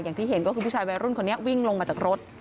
อย่างที่เห็นก็คือผู้ชายวัยรุ่นคนนี้วิ่งลงมาจากรถ